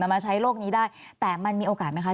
มาใช้โลกนี้ได้แต่มันมีโอกาสไหมคะ